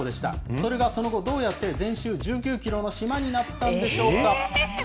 それがその後、どうやって全周１９キロの島になったんでしょうか。